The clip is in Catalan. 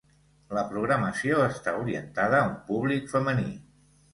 La programació està orientada a un públic femení.